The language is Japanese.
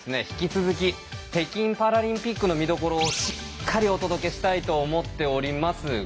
引き続き北京パラリンピックの見どころをしっかりお届けしたいと思っております。